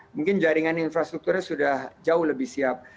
mungkin jaringan infrastrukturnya sudah jauh lebih siap